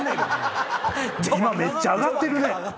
めっちゃ上がってるね！